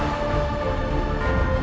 đi chơi rudolf